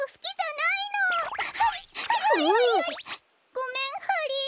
ごめんハリ。